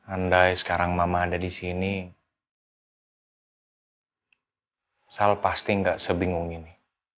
andai sekarang mama ada di sini sal pasti nggak sebingung gini